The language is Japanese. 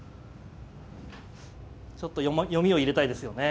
ちょっと読みを入れたいですよね。